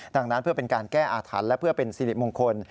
ดังนั้นเพื่อเป็นการแก้อาถรรพ์และเพื่อเป็นสิริมงคล